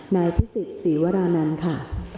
นายพิสิทธิศรีวรานันทร์ค่ะ